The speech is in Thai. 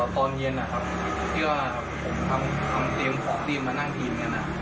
ตอนเย็นผมทำเตรียมของทีมมานั่งทีมกัน